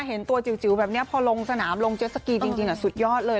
เห็นตัวจิ๋วแบบนี้พอลงสนามลงเจ็ดสกีจริงสุดยอดเลย